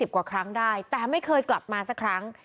กว่าครั้งได้แต่ไม่เคยกลับมาสักครั้ง